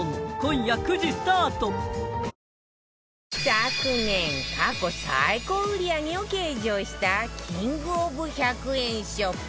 昨年過去最高売上を計上したキングオブ１００円ショップ